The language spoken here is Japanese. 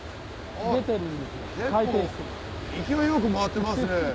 結構勢いよく回ってますね。